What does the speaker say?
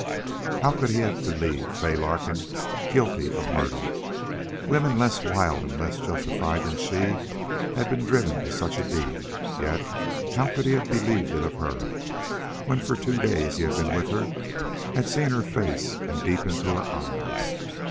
How could he have believed Fay Larkin guilty of murder? Women less wild and less justified than she had been driven to such a deed, yet how could he have believed it of her, when for two days he had been with her, had seen her face, and deep into her eyes?